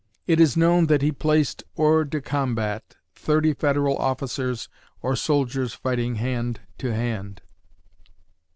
It is known that he placed hors de combat thirty Federal officers or soldiers fighting hand to hand.